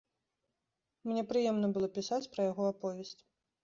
Мне прыемна было пісаць пра яго аповесць.